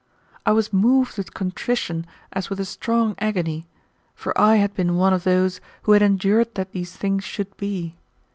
I was moved with contrition as with a strong agony, for I had been one of those who had endured that these things should be.